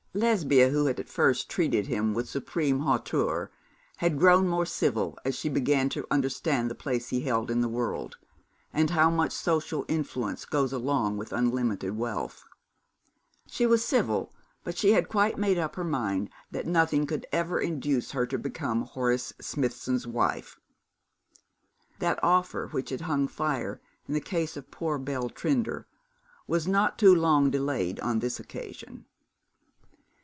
Lesbia, who had at first treated him with supreme hauteur, had grown more civil as she began to understand the place he held in the world, and how much social influence goes along with unlimited wealth. She was civil, but she had quite made up her mind that nothing could ever induce her to become Horace Smithson's wife. That offer which had hung fire in the case of poor Belle Trinder, was not too long delayed on this occasion.